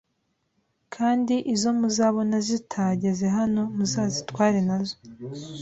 kandi izo muzabona zitageze hano muzazitware nazo